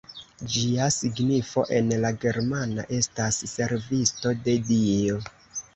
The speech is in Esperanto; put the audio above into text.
Ĝia signifo en la germana estas «servisto de Dio».